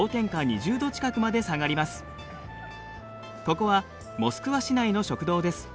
ここはモスクワ市内の食堂です。